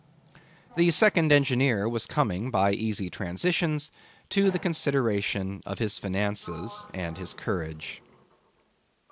The second engineer was coming by easy transitions to the consideration of his finances and of his courage.